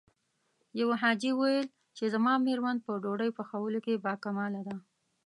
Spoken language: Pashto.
يوه حاجي ويل چې زما مېرمن په ډوډۍ پخولو کې باکماله ده.